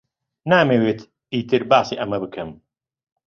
نامەوێت ئیتر باسی ئەمە بکەم.